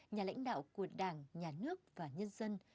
nhà lãnh đạo của đảng nhà nước và nhân dân